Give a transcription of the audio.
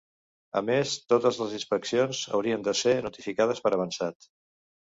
A més, totes les inspeccions haurien de ser notificades per avançat.